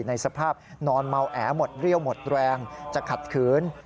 ในสภาพนอนเมาแอหมดเรี่ยวหมดแรงจะขัดขืน